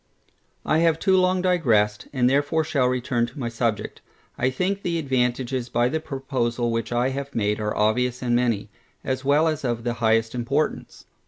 I have too long digressed, and therefore shall return to my subject. I think the advantages by the proposal which I have made are obvious and many, as well as of the highest importance.